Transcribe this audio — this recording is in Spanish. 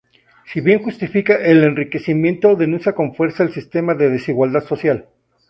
Si bien justifica el enriquecimiento, denuncia con fuerza el sistema de desigualdad social.